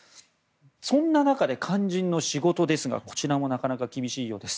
そんな中で、肝心の仕事ですがこちらも厳しいようです。